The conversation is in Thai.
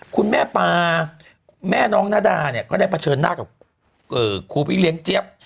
คุณแม่ปาแม่น้องนาดาเนี่ยก็ได้เผชิญหน้ากับครูพี่เลี้ยงเจี๊ยบ